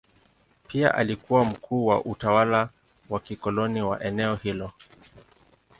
Pia alikuwa mkuu wa utawala wa kikoloni wa eneo hilo.